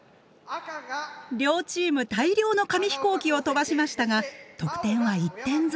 両チーム大量の紙飛行機を飛ばしましたが得点は１点ずつ。